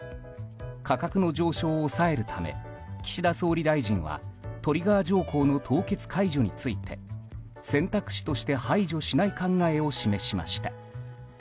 価格の上昇を抑えるため岸田総理大臣はトリガー条項の凍結解除について選択肢として排除しない考えを示しました。